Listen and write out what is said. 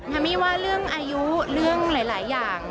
มี่ว่าเรื่องอายุเรื่องหลายอย่าง